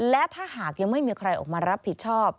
และถ้าหากยังไม่มีใครออกมารับผิดชอบ